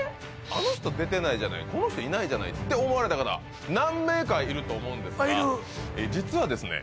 あの人出てないじゃないこの人いないじゃないって思われた方何名かいると思うんですがいる実はですね